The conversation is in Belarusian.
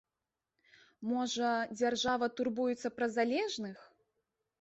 Можа, дзяржава турбуецца пра залежных?